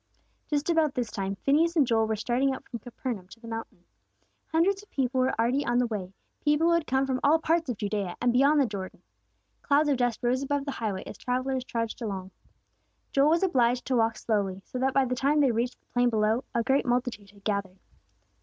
Just about this time, Phineas and Joel were starting out from Capernaum to the mountain. Hundreds of people were already on the way; people who had come from all parts of Judea, and beyond the Jordan. Clouds of dust rose above the highway as the travellers trudged along. Joel was obliged to walk slowly, so that by the time they reached the plain below, a great multitude had gathered.